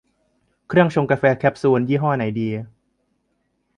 เครื่องชงกาแฟแคปซูล ยี่ห้อไหนดี